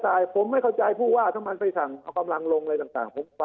อะไรก็ไม่รู้ไปเรียกร้องต่างเรียกเทศะหมด